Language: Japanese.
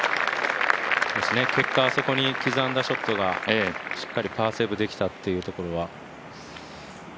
結果、あそこに刻んだショットがしっかりパーセーブできたっていうところは。